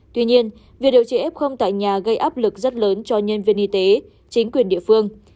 tuy nhiên việc điều trị f tại nhà gây áp lực rất lớn cho nhân viên y tế chính quyền địa phương